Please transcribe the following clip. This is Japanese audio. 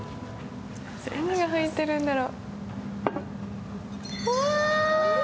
何が入ってるんだろ？